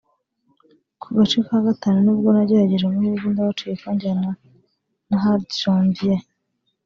Ku gace ka gatanu nibwo nagerageje amahirwe ndabacika njyana na Hadi Janvier